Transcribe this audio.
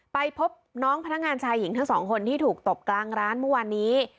ไปพบน้องพนักงานชายหญิงทั้งสองคนที่ถูกตบกลางร้านเมื่อวานนี้